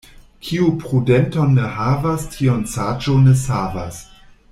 Kiu prudenton ne havas, tiun saĝo ne savas.